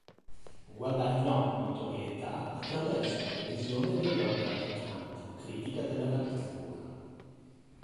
Guadagnò notorietà attraverso la revisione dell'opera di Kant "Critica della ragion pura".